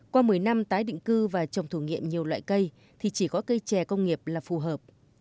qua một mươi năm tái định cư và trồng thử nghiệm nhiều loại cây thì chỉ có cây trè công nghiệp là phù hợp